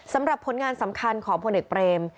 สำหรับผลงานสำคัญของพลเอกเบรม